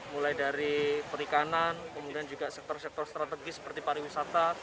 mulai dari perikanan kemudian juga sektor sektor strategis seperti pariwisata